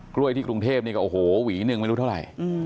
้วยที่กรุงเทพนี่ก็โอ้โหหวีหนึ่งไม่รู้เท่าไหร่